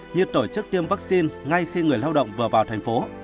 như tổ chức tiêm vaccine ngay khi người lao động vừa vào thành phố